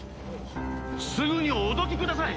すぐにおどきください！